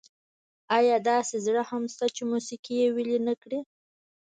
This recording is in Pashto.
ایا داسې زړه هم شته چې موسيقي یې ویلي نه کړي؟